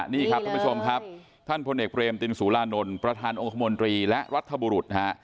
นี่ครับท่านผู้ชมครับท่านพลเอกเบรมตินสุรานนท์ประธานองค์คมนตรีและรัฐบุรุษนะฮะ